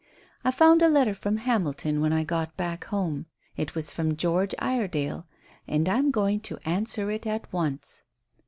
I found a letter from Hamilton when I got back home. It was from George Iredale, and I'm going to answer it at once."